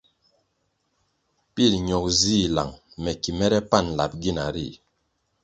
Pil ñogo zih lang me ki mere pani lap gina ri.